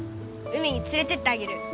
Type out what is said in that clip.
海につれてってあげる。